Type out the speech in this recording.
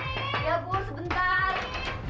iya bu sebentar